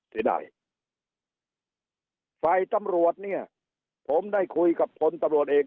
เสียดายฝ่ายตำรวจเนี่ยผมได้คุยกับพลตำรวจเอก